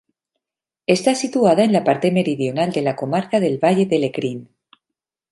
Está situada en la parte meridional de la comarca del Valle de Lecrín.